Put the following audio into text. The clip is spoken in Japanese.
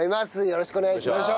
よろしくお願いします！